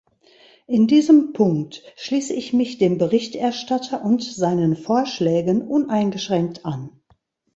In diesem Punkt schließe ich mich dem Berichterstatter und seinen Vorschlägen uneingeschränkt an.